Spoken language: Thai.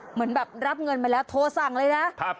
เหมือนแบบรับเงินไปแล้วโทรสั่งเลยนะ